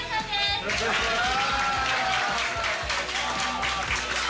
よろしくお願いします。